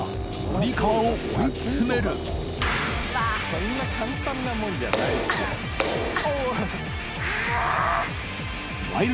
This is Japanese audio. そんな簡単なものじゃないですよ。